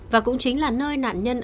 và cũng chính là nơi nạn nhân